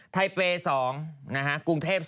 ไทเป๒นะฮะกรุงเทพ๒